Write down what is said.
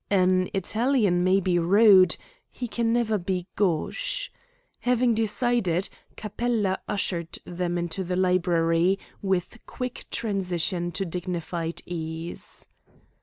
An Italian may be rude, he can never be gauche. Having decided, Capella ushered them into the library with quick transition to dignified ease.